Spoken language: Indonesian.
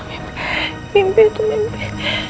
mimpi itu mimpi